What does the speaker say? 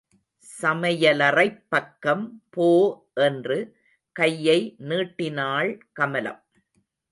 சமயலறைப் பக்கம் போ என்று கையை நீட்டினாள் கமலம்.